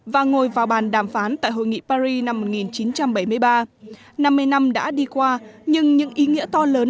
và ngồi vào bàn đàm phán tại hội nghị paris năm một nghìn chín trăm bảy mươi ba năm mươi năm đã đi qua nhưng những ý nghĩa to lớn